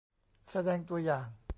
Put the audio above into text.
แสดงตัวอย่าง